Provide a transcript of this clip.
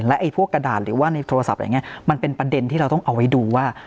ไอ้พวกกระดาษหรือว่าในโทรศัพท์อะไรอย่างนี้มันเป็นประเด็นที่เราต้องเอาไว้ดูว่า